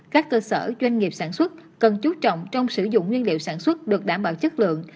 các cơ sở doanh nghiệp sản xuất cần chú trọng trong sử dụng nguyên liệu sản xuất được đảm bảo chất lượng